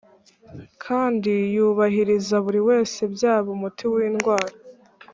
kandi yubahiriza buri wese byaba umuti w'indwara